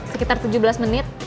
sekitar tujuh belas menit